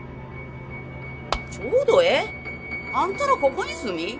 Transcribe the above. ちょうどええ。あんたらここに住み。